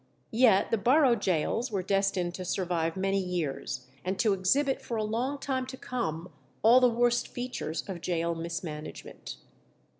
Yet the borough gaols were destined to survive many years, and to exhibit for a long time to come all the worst features of gaol mismanagement.